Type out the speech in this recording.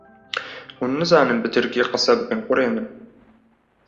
hûn nizanin bi Tirkî jî qisa bikin kurê min